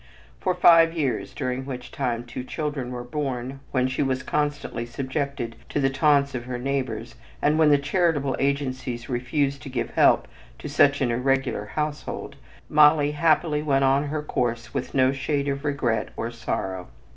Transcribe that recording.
For five years, during which time two children were born, when she was constantly subjected to the taunts of her neighbors, and when all the charitable agencies refused to give help to such an irregular household, Molly happily went on her course with no shade of regret or sorrow.